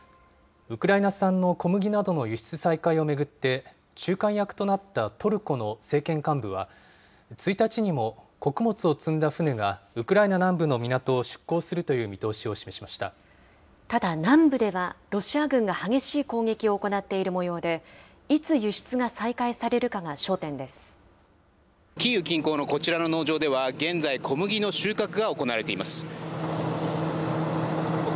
ウクライナ産の小麦などの輸出再開を巡って、仲介役となったトルコの政権幹部は、１日にも穀物を積んだ船がウクライナ南部の港を出港するという見ただ、南部ではロシア軍が激しい攻撃を行っているもようで、いつ輸出が再開されるかが焦点でキーウ近郊のこちらの農場では、現在、小麦の収穫が行われています。